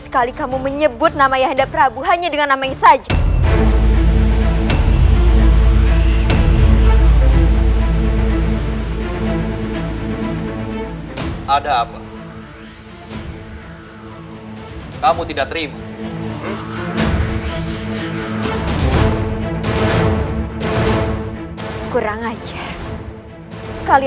siliwangi yang menyuruhku untuk tinggal disini